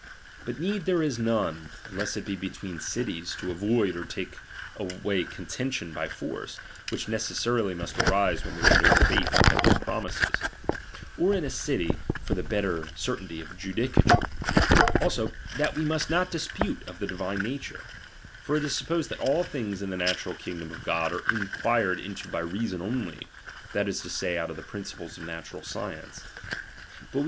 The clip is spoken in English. But need there is none, unless it be between cities, to avoid or take away contention oy force, which necessarily must arise where there IS no faith kept in promises : or in a city, for the lietter certainty of judicature. Also, that we must ■^ot dispute of the divine nature ; for it is sup posed that all things in the natural kingdom of God are inquired into by reason only, that is to Say, out of the principles of natural science.